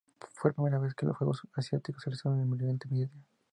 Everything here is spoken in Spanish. Fue la primera vez que los Juegos Asiáticos se realizaron en Oriente Medio.